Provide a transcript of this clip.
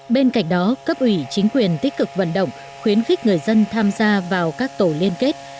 bên cạnh đó cấp ủy chính quyền tích cực vận động khuyến khích người dân tham gia vào các tổ liên kết